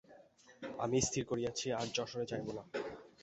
আমি স্থির করিয়াছি আর যশোহরে যাইব না।